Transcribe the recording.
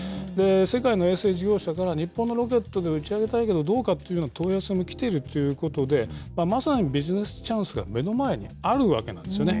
世界の衛星事業者が、日本のロケットで打ち上げたいけどどうかという問い合わせも来ているということで、まさにビジネスチャンスが目の前にあるわけなんですよね。